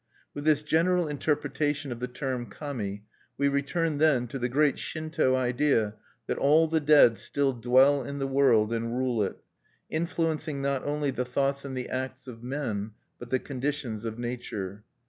With this general interpretation of the term Kami, we return, then, to the great Shinto idea that all the dead still dwell in the world and rule it; influencing not only the thoughts and the acts of men, but the conditions of nature.